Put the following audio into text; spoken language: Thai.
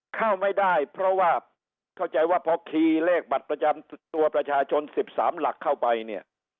เข้าไม่ได้เพราะว่าเข้าใจว่าพอคีย์เลขบัตรประจำตัวประชาชน๑๓หลักเข้าไปเนี่ย